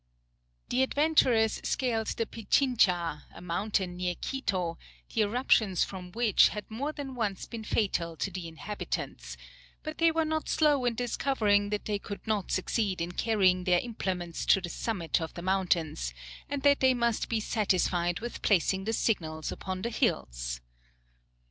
The adventurers scaled the Pichincha, a mountain near Quito, the eruptions from which had more than once been fatal to the inhabitants, but they were not slow in discovering that they could not succeed in carrying their implements to the summit of the mountains, and that they must be satisfied with placing the signals upon the hills.